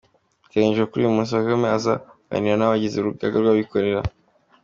Biteganyijwe ko uyu munsi Kagame aza kuganira n’abagize urugaga rw’abikorera